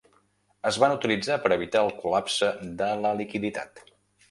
Es van utilitzar per evitar el col·lapse de la liquiditat.